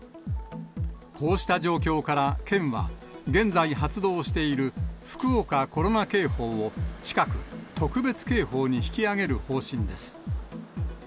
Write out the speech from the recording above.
こうした状況から、県は現在発動している福岡コロナ警報を、近く、特別警報に引き上げる方針です。